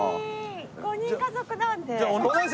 ５人家族なんで。